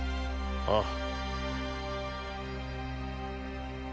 ああ。